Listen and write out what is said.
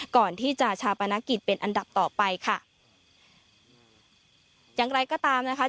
ก่อนที่จะชาปนกิจเป็นอันดับต่อไปค่ะอย่างไรก็ตามนะคะ